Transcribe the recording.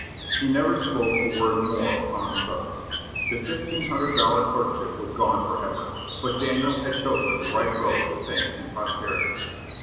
He never spoke a word more upon the subject. The fifteen hundred dollar clerkship was gone forever, but Daniel had chosen the right road to fame and prosperity.